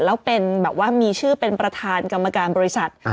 แล้วมีชื่อเป็นประธานกรรมการบริษัท